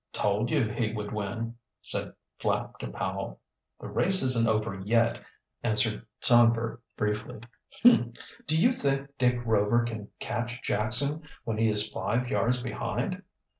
"Told you he would win," said Flapp to Powell. "The race isn't over yet," answered Songbird briefly. "Humph! Do you think Dick Rover can catch Jackson when he is five yards behind"?